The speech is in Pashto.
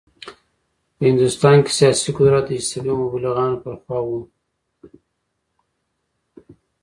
په هندوستان کې سیاسي قدرت د عیسوي مبلغانو پر خوا و.